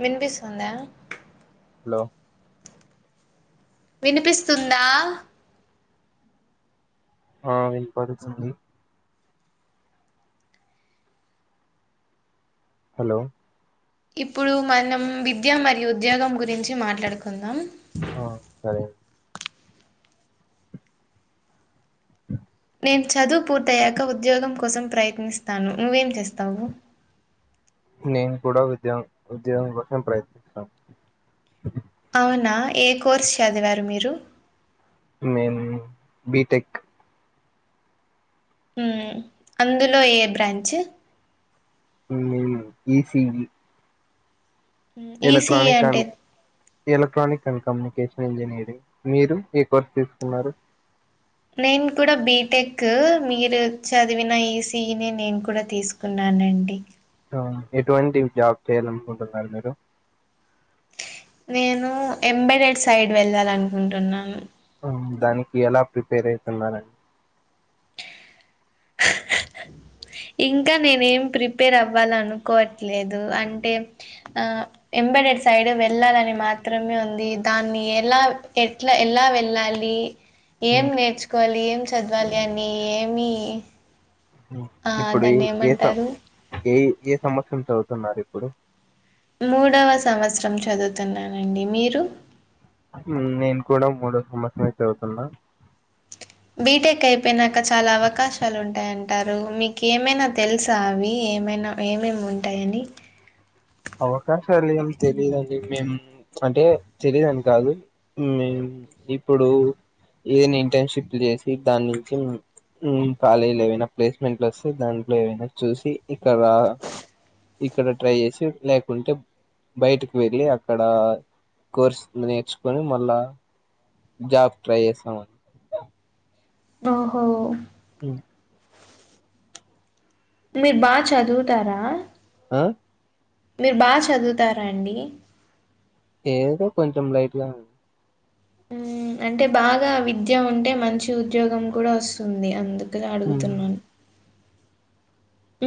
వినింపిసుందా hello వినిపిస్తుందా ఆ వినపడుతుంది హలో ఇప్పుడు మనం విద్య మరియు ఉద్యోగం గురించి మాట్లాడుకుందాం ఆ సరే అ నేను చదువు పూర్తయ్యాక ఉద్యోగం కోసం ప్రయత్నిస్తాను నువ్వేం చేస్తావు నేన్ కూడా ఉద్యో ఉద్యోగం కోసం ప్రయత్నిస్తా అవునా ఏ కోర్సు చదివారు మీరు నేను బి టెక్ ఊ అందులో ఏ బ్రాంచు నేను ఈసీబి ఊ ఈసీఏ అండ్ అంటేద్ ఎలక్ట్రానిక్ అండ్ కమ్యూనికేషన్ ఇంజనీరింగ్ మీరు ఏ కోర్స్ తీసుకున్నారు నేను కూడా బీటెక్ మీరు చదివిన ఈసీఈ ని నేను కూడా తీసుకున్నాను అనండి అవునా ఎటువంటి జాబ్ చేయాలనుకుంటున్నారు మీరు నేను ఎంబడడ్ సైడ్ వెళ్ళాలనుకుంటున్నాను ఊ దానికి ఎలా ప్రిపేర్ అవుతున్నారండి ఇంకా నేనే ఏం ప్రిపేర్ అవ్వాల అనుకోవట్లేదు అంటే ఆ ఎంబడెడ్ సైడ్ వెళ్ళాలని మాత్రమే ఉంది దాన్ని ఎలా ఎట్లా ఎలా వెళ్ళాలి ఏం నేర్చుకోవాలి ఏం చదవాలి అని ఏమి ఆ ఇప్పుడు ఏ దాన్ని ఏ సం ఏమంటారు ఏ ఏ సంవత్సరం చదువుతున్నారు ఇప్పుడు మూడవ సంవత్సరం చదువుతున్నానండి మీరు ఊ నేను కూడా మూడో సంవత్సరం మే చదువుతున్నా బీటెక్ అయిపోయినాక చాలా అవకాశాలు ఉంటాయంటారు రు మీకు ఏమైనా తెలుసా అవి ఏమైనా ఏమేమి ఉంటాయని అవకాశాలు ఏం తెలియదండి మేము అంటే తెలిదని కాదు మేం ఇప్పుడు ఈవెనింగ్ టైం షిప్ట్ చేసి దాని నుంచి ఊ కాలేజీల ఏవైనా ప్లేస్మెంట్లు వస్తే దాంట్లో ఏవైనా చూసి ఇక్కడ రా ఇక్కడ ట్రై చేసి లేకుంటే బయటకి వెళ్ళి అక్కడ కోర్సులు నేర్చుకొని మళ్ళా జాబ్ ట్రై చేస్తామండి ఓహో ఉ మీరు బాగా చదువుతారా అ మీరు బా చదువుతారాండి ఏదో కొంచెం లైట్లా అంటే బాగా విద్య ఉంటే మంచి ఉద్యోగం కూడా వస్తుంది అందుకు గదడుగుతున్నాను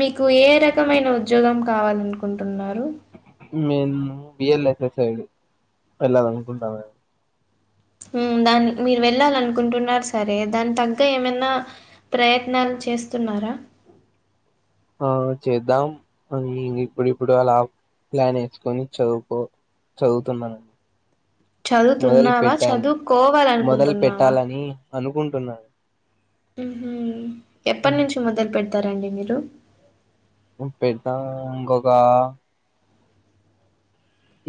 మీకు ఏ రకమైన ఉద్యోగం కావాలనుకుంటున్నారు నేను బిఎల్ఎస్ఎస్ఐ ఎలాలనుకుంటన దాని మీరు వెళ్ళాలనుకుంటున్నారు సరే దాని తగ్గ ఏమన్నా ప్రయత్నాలు చేస్తున్నారా ఆ చేద్దాం అని ఇప్పుడుప్పుడు అలా ప్లాన్ వేసుకొని చదువుకో చదువుతున్నానండి మొదలు చదువుతున్నావా? పెట్టాను, మొదలు చదువుకోవాలనుకుంటున్నావా? పెట్టాలని అనుకుంటున్నాను. హుహ్ ఎప్పటి నుంచి మొదలు పెడతారండి మీరు? ఉప్పిద్దా ఇంకొకా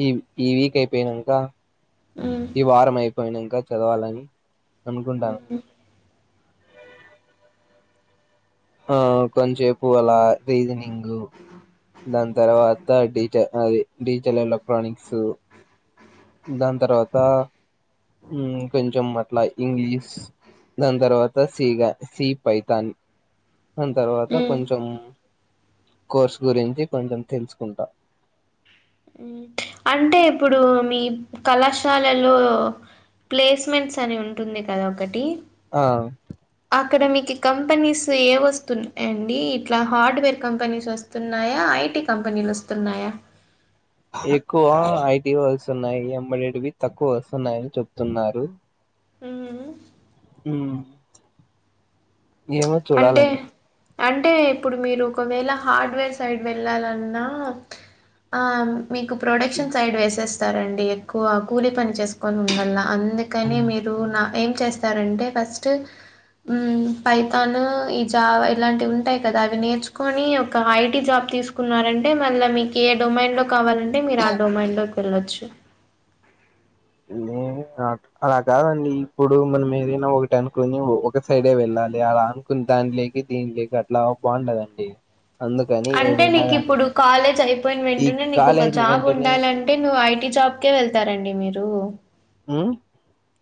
ఈ ఈ వీక్ అయిపోయినాంక హ్మ్. ఈ వారం అయిపోయినం కా చదవాలని అనుకుంటనా. హ్మ్. ఆ కొంచసేపూ అలా రీజనింగు దాని తర్వాత డిట అది డిజిటల్ ఎలక్ట్రానిక్సు దాని తర్వాత హ్ కొంచెం అట్లా ఇంగ్లీస్ దాని తర్వాత సిగా సి, పైతాన్ దాని తర్వాత హ్మ్. కొంచం కోర్స్ గురించి కొంచెం తెలుసుకుంటా. అంటే ఇప్పుడు మీ కళాశాలలో ప్లేస్మెంట్స్ అని ఉంటుంది కదా ఒకటి. ఆ అక్కడ మీకు కంపెనీస్ ఏవస్తున్నాయండి. ఇట్లా హార్డ్వేర్ కంపెనీస్ వస్తున్నాయా, ఐటీ కంపెనీలు వస్తున్నాయా. ఎక్కువ ఐటీవి వస్తున్నాయి. ఎంబాడెడ్వి తక్కువ వస్తున్నాయి అని చెప్తున్నారు. హుహ్ హ్ ఏమో అంటే చూడాలండి. అంటే ఇప్పుడు మీరు ఒకవేళ హార్డ్వేర్ సైడ్ వెళ్ళాలన్నా ఆ మీకు ప్రొడక్షన్ సైడ్ వేసేస్తారండి ఎక్కువ కూలీ పని చేసుకొని ఉండాలా. అందుకని ఉమ్, మీరు నా ఎంచేస్తారంటే ఫస్ట్ హ్ పై తాను ఈ జావా ఇలాంటివి ఉంటాయి కదా అవి నేర్చుకొని ఒక ఐటీ జాబ్ తీసుకున్నారంటే మరి మళ్లా మీకు ఏ డొమైన్ లో కావాలంటే మీరు ఆ డొమైన్ లోకి వెళ్ళొచ్చు. అట్ అలా కాదండి ఇప్పుడు మనం ఏదైనా ఒకటనుకొని ఒక సైడే వెళ్ళా ళి అలా అనుకుని దానిలోకి దీనిలోకి అట్లా బావుండదండి. అంటే నీకు ఇప్పుడు కాలేజ్ అయిపోయిన ఈ వెంటనే నీకు ఒక కాలేజ్ జాబ్ వెంటనే ఉండాలంటే నువ్వు ఐ టి జాబ్కే వెళ్తారండి మీరు. హ్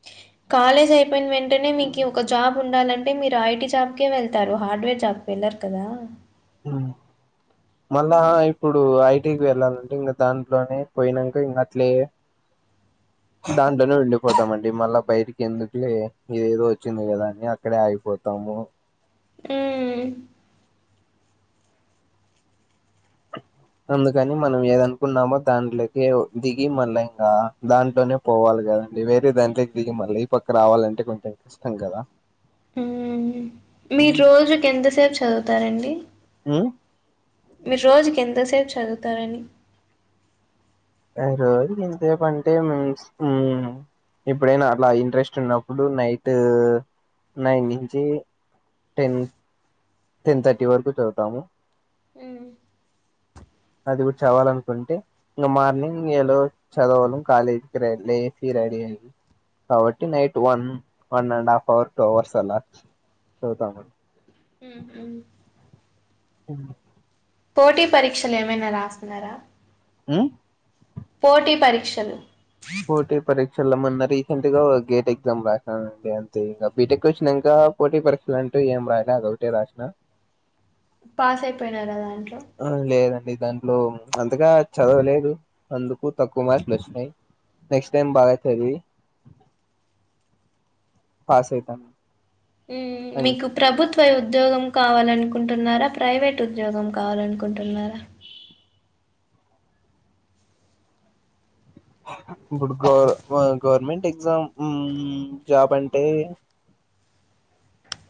అ కాలేజ్ అయిపోయిన వెంటనే మీకి ఒక జాబ్ ఉండాలంటే మీరు ఐటీ జాబ్కే వెళ్తారు, హార్డ్వేర్ జాబ్కి వెళ్ళ రు కదా. మళ్ళా ఇప్పుడు ఐ ఇంటికి వెళ్ళాలంటే ఇంగా దాంట్లోనే పోయినంకా ఇంగా అట్లే దాంట్లోనే ఉండిపోతామండి మళ్ళా బయటికి ఎందుకులే ఇదేదో వచ్చింది కదా అని అక్కడే ఆగిపోతా ము హ్ అందుకని మనం ఏదనుకున్నామో దాంట్లోకే దిగి మళ్ళ ఇంకా దాంట్లోనే పోవాలి కదా. కదండి వేరే దాంట్లోకి దిగి మళ్ళా ఈ పక్క రావాలంటే కొంచెం కష్టం కదా. హుహ్ మీరు రోజుకి ఎంతసేపు చదువుతారండి. ఉమ్ మీరు రోజుకి ఎంతసేపు చదువుతా రండి. ఆ రోజుకి ఇంత సేపు అంటే మీన్స్ హ్ ఎప్పుడైనా అట్లా ఇంట్రెస్ట్ ఉన్నప్పుడు నైట్ నైన్ నుంచి టెన్ టెన్ థర్టీ వరకు చదువుతాము. హ్ అది కూడా చదవాలనుకుంటే ఇంగా మార్నింగ్ లేసి చదవలం కాలేజీకి రెడి లేసి రెడి అవ్వడం. రెడి అయ్యి కాబట్టి night one one and half or two hours అలా చదువుతాం [inaudible] ఉ అ పోటీ పరీక్షలు ఏమైనా రాస్తున్నారా అ పోటీ పరీక్షలు పోటీ పరీక్షల రీసెంట్ గా గేట్ ఎగ్జామ్ రాండి అంతే ఇక బీటెక్ వచ్చినాక పోటీ పరీక్షలు అంటే ఏం రాయలా గటే రాసిన పాస్ అయిపోయినారా దాంట్లో అ దాంట్లో అంతగా చదవలేదు అందుకు తక్కువ మార్కులు వచ్చినాయి నెక్స్టిమ్ బాగా చదివి [inaudible] పాస్ అయితాను అని మీకు ప్రభుత్వ ప్రభుత్వ ఉద్యోగం కావాలనుకుంటున్నారా ప్రైవేట్ ఉద్యోగం కావాలనుకుంటున్నారా [inaudible] ఇప్పుడు గర్ గవ్ గవర్నమెంట్ ఎగ్జామ్ జాబ్ అంటే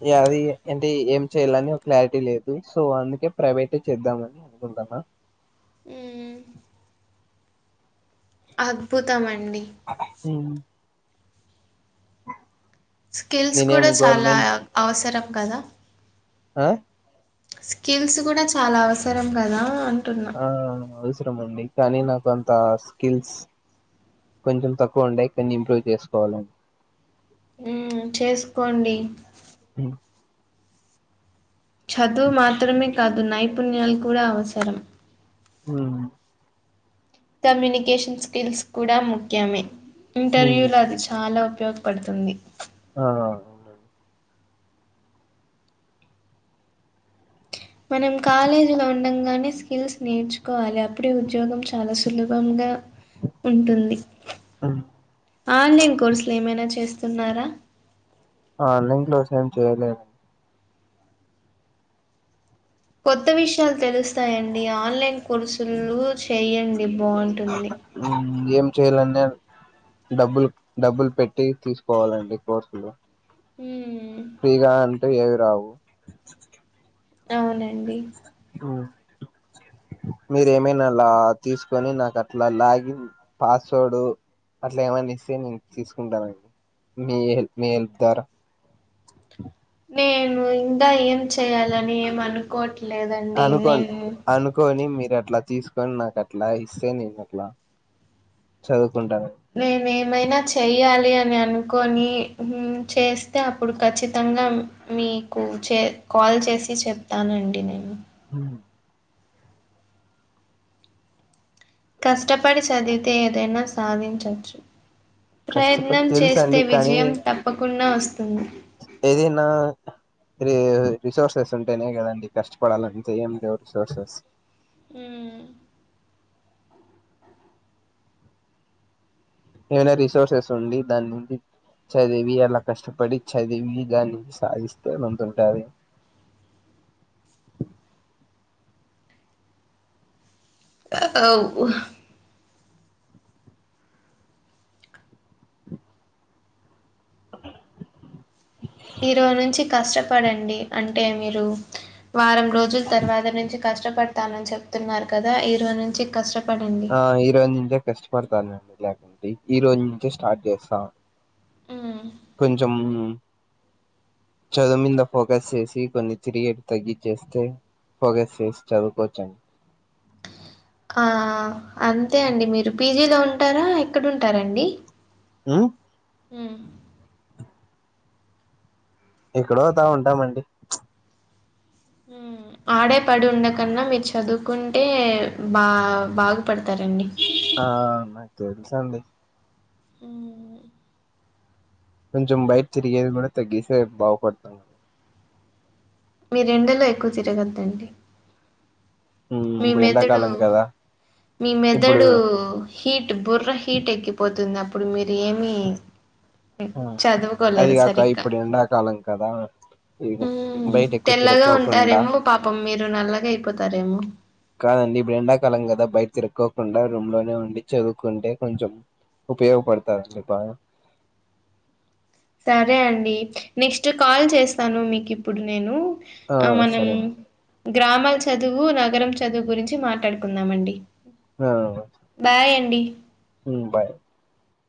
యా అది అంటే ఏం చెయ్యాలని ఒక క్లారిటీ లేదు సో అందుకే ప్రైవేటే చేద్దామని [inaudible] హుమ్ అద్భుతమండి హుమ్ ఆ [inaudible] స్కిల్స్ కూడా చాలా అవసరం కదా ఆ స్కిల్స్ కూడా చాలా అవసరం కదా అంటున్నా. ఆ అవసరం అండి కానీ నాకు అంత స్కిల్స్ కొంచెం తక్కువ ఉండాయి కొన్ని ఇంప్రూవ్ చేసుకోవాల హుమ్ చేసుకోండి హుమ్ చదువు మాత్రమే కాదు నైపుణ్యాలు కూడా అవసరం హుమ్ కమ్యూనికేషన్ స్కిల్స్ కూడా ముఖ్యమే ఇంటర్వ్యూ హ్మ్ లో అది చాలా ఉపయోగపడుతుంది అవు అవు మనం కాలేజీ లో ఉండంగానే స్కిల్స్ నేర్చుకోవాలి అప్పుడే ఉద్యోగం చాలా సులభంగా సులభంగా ఉంటుంది ఆన్లైన్ కోర్సులు ఏమైనా చేస్తున్నారా ఆన్లైన్ కోర్సు ఏం చేయలేదు కొత్త విషయాలు తెలుస్తాయండి ఆన్లైన్ కోర్సులు చేయండి అది బాగుంటుంది ఏం చెయాలండి డబ్బులు డబ్బులు పెట్టి తీసుకోవాలండి కోర్సులు హుమ్ ఫ్రీగా అంటే ఏవి రావు అవునండి [inaudible] మీరేమైన అలా తీసుకొని నాకు అట్లా లాగిన్ పాస్వర్డ్ అట్లా ఏమనిస్తే నేను తీసుకుంటానండి మీ హెల్ప్ మీ హెల్ప్ ద్వారా [inaudible] నేను ఇంకా ఏం చెయాలని ఏమనుకోట్లే అనుకోం అనుకోని మీరు అట్లా తీసుకోని నాకు అట్లా ఇస్తే నేను అట్లా చదువు నేను ఏమైనా చెయ్యాలి అని అనుకొని హ్మ్ చేస్తే అప్పుడు ఖచ్చితంగా మీకు చే కాల్ చేసి చెప్తానండి నేను హ్మ్ కష్టపడి చదివితే ఏదైనా సాధించొచ్చు కష్టపడి ప్రయత్నం తెలుసు చేస్తే అండి కానీ విజయం తప్పకుండా వస్తుంది ఏదైనా ర రిసోర్సెస్ ఉంటేనే కదండి కష్టపడాలని చె ఏ లేవు రిసోర్సెస్ హ్మ్ ఏమైనా రిసోర్సెస్ ఉండి దాని నుండి చదివి అలా కష్టపడి చదివి దాన్ని సాధిస్తే [unintelligible] ఓహ్! ఓే ఈ రోజు నుంచి కష్టపడండి అంటే మీరు వారం రోజుల తర్వాత నుంచి కష్టపడతానని చెప్తున్నారు కదా ఈరోజు నుంచి కష్ట ఆ ఈ రోజు నుంచే కష్టపడతానండి లేకుంటే ఈ రోజు నుంచే స్టార్ట్ చేస్తాను హ్మ్. కొంచం చదువు మీద ఫోకస్ చేసి కొన్ని తిరిగేది తగ్గించేస్తే ఫోకస్ చేసి చదువుకోవచ్చం ఆ అంతే అండి మీరు పీజీలో ఉంటారా ఎక్కడ ఉంటారాండి హ్మ్ హ్మ్ ఎక్కడోతా ఉంటామండి హ్మ్ ఆడే పడి ఉండే కన్నా మీరు చదువుకుంటే బా బాగుపడతారండి ఆ నాకు తెలుసండి ఆ కొంచెం బయట తిరిగేది కూడా తగ్గిస్తే బాగుపడతా మీరు ఎండలో ఎక్కువ తిరగొద్దండి ఉమ్ మీ ఇప్పుడు మెదడు ఎండాకాలం కదా మీ ఇప్పుడు మెదడు హీట్ బుర్ర హీట్ ఎక్కిపోతుందప్ ఏమి ఆ, అది చదువుకోలేదు కాక సరిగ్గా ఇప్పుడు ఎండాకాలం కదా ఇగో బయట ఎక్కువ తెల్లగా తిరుక్కోకుండా ఉంటారేమో పాపం మీరు నల్లగా అయిపోతారేమో కాదండి ఇప్పుడు ఎండాకాలం కదా బయట తిరక్కోకుండా రూమ్ లోనే ఉండి చదువుకుంటే కొంచెం ఉపయోగ పడతారని చెప్పానా సరే అండి నెక్స్ట్ కాల్ చేస్తాను మీకు ఇప్పుడు నేను ఆ సరే గ్రామాల చదువు నగరం చదువు గురించి మాట్లాడుకుందామండి ఆ బాయ్ అండి. హ్మ్ బాయ్